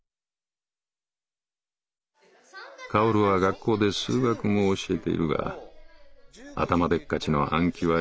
「薫は学校で数学も教えているが頭でっかちの暗記はやめ